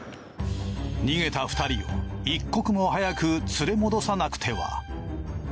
逃げた２人を一刻も早く連れ戻さなくては。